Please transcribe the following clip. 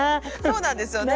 そうなんですよね。